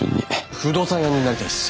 不動産屋になりたいです。